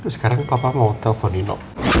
sekarang papa mau telepon nino